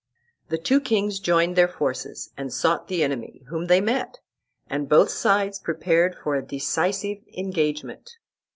The two kings joined their forces, and sought the enemy, whom they met, and both sides prepared for a decisive engagement.